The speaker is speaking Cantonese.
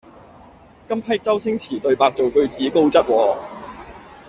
今批周星馳對白做句子高質喎